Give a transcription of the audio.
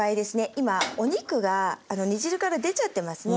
今お肉が煮汁から出ちゃってますね。